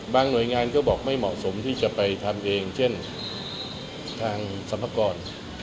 หน่วยงานก็บอกไม่เหมาะสมที่จะไปทำเองเช่นทางสรรพากร